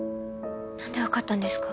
何で分かったんですか？